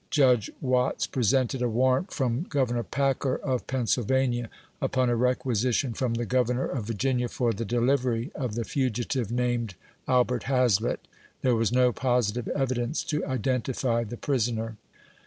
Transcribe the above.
Judge Watts presented a warrant from Governor Packer, of Pennsylva nia, upon a requisition from the Governor of Virginia for tho delivery of the fugitivo named Albert Hazlott. There was no positive ovidonco to identify tho prisonor."